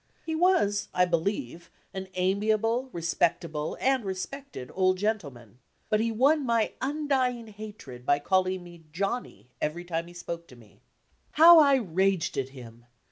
He was, I believe, an amiable, respecta ble, and respected, old gentleman. But he won my undying hatred by calling me "Johnny" every time he spoke to me. How I raged at him!